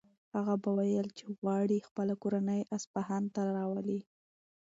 هغه به ویل چې غواړي خپله کورنۍ اصفهان ته راولي.